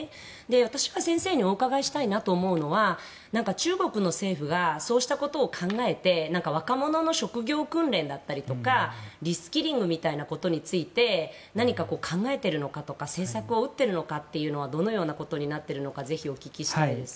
私が先生にお伺いしたいなと思うのは中国の政府がそうしたことを考えて若者の職業訓練だったりとかリスキリングみたいなことについて何か考えているのかとか政策を打っているのかというのはどのようなことになっているのかぜひお聞きしたいです。